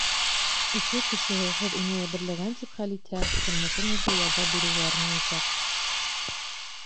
Өфө кешеһе, һеҙ уны йәберләгән тип хәл итһә, тормошон һеҙгә яза биреүгә арнаясаҡ.